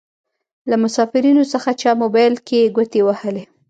له مسافرينو څخه چا موبايل کې ګوتې وهلې.